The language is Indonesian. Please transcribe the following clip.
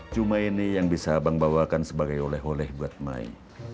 cuma ini yang bisa abang bawakan sebagai oleh oleh buat mai